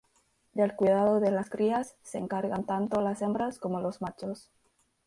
Del cuidado de las crías se encargan tanto las hembras como los machos.